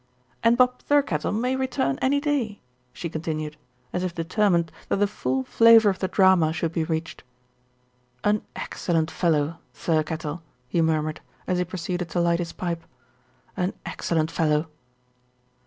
"And Bob Thirkettle may return any day," she con tinued, as if determined that the full flavour of the drama should be reached. "An excellent fellow, Thirkettle," he murmured, as he proceeded to light his pipe, "an excellent fellow."